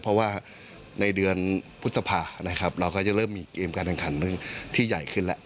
เพราะว่าในเดือนพฤษภานะครับเราก็จะเริ่มมีเกมการแข่งขันเรื่องที่ใหญ่ขึ้นแล้ว